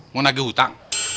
mau nagih hutang